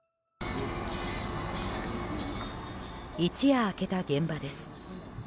一夜明けた現場です。